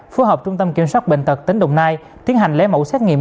phối hợp trung tâm kiểm soát bệnh tật tỉnh đồng nai tiến hành lấy mẫu xét nghiệm